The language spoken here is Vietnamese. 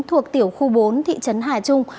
thuộc tiểu khu bốn thị trấn hà trung